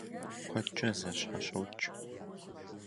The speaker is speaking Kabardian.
Куэдкӏэ зэщхьэщокӏ.